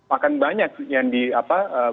akan banyak yang di apa